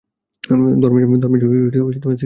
Dharmesh, signal ঠিক আছে?